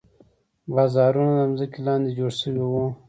بازارونه د ځمکې لاندې جوړ شوي وو.